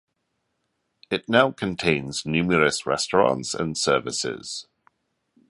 It now contains numerous restaurants and services.